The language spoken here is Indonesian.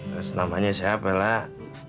terus namanya siapa elah